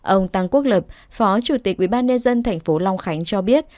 ông tăng quốc lập phó chủ tịch ủy ban nhân dân tp long khánh cho biết